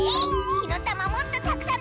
ひのたまもっとたくさん！